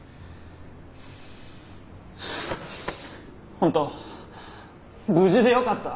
本当無事でよかった。